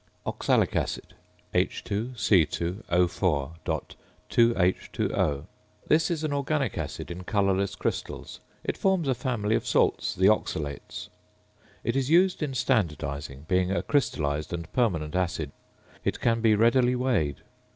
~Oxalic Acid~, H_[=O] or (H_C_O_.2H_O.) This is an organic acid in colourless crystals. It forms a family of salts the oxalates. It is used in standardising; being a crystallised and permanent acid, it can be readily weighed.